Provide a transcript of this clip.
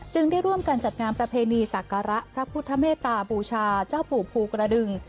ได้ร่วมกันจัดงานประเพณีสักการะพระพุทธเมตตาบูชาเจ้าปู่ภูกระดึง